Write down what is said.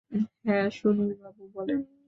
হ্যাঁঁ, সুনীল বাবু, বলেন।